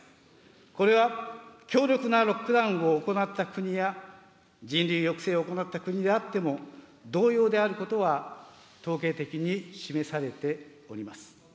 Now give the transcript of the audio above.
これは、強力なロックダウンを行った国や、人流抑制を行った国であっても同様であることは、統計的に示されております。